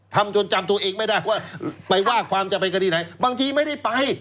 จนจำตัวเองไม่ได้ว่าไปว่าความจะไปคดีไหนบางทีไม่ได้ไป